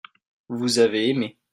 vous avez aimé.